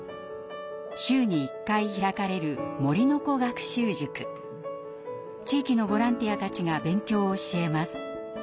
週に１回開かれる地域のボランティアたちが勉強を教えます。